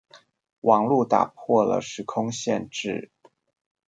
網路打破了時空限制